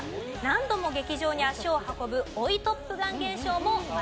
何度も劇場に足を運ぶ追いトップガン現象も生まれました。